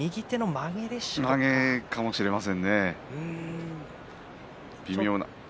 まげかもしれませんね。